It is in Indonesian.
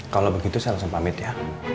kalau begitu saya langsung pamit ya